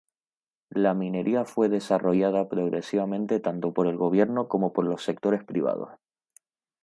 La minería fue desarrollada progresivamente tanto por el gobierno como por los sectores privados.